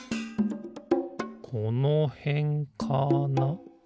このへんかな？